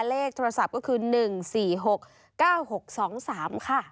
เลขโทรศัพท์ก็คือ๑๔๖๙๖๒๓ค่ะ